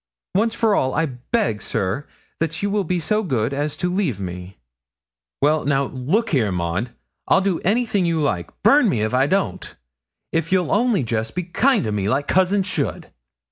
Once for all, I beg, sir, that you will be so good as to leave me.' 'Well, now, look here, Maud; I'll do anything you like burn me if I don't if you'll only jest be kind to me, like cousins should.